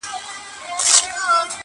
په ما ښکلي په نړۍ کي مدرسې دي!